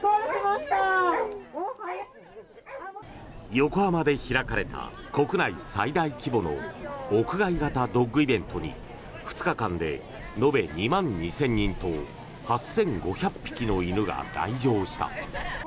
横浜で開かれた国内最大規模の屋外型ドッグイベントに２日間で延べ２万２０００人と８５００匹の犬が来場した。